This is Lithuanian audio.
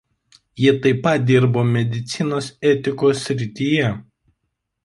Ji taip pat dirbo medicinos etikos srityje.